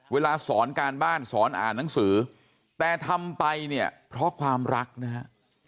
เวลาสอนการบ้านสอนอ่านหนังสือแต่ทำไปเนี่ยเพราะความรักนะฮะ